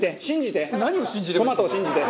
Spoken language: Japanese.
トマトを信じる？